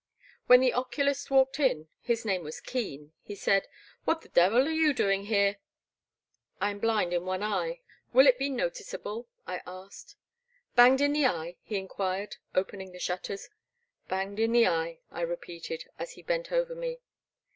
When the oculist walked in — his name was Keen, — he said, *' What the devil are you doing here ?'*'* I am blind in one eye — ^will it be noticeable ?I asked. Banged in the eye?*' he enquired, opening the shutters. Banged in the eye," I repeated, as he bent over me.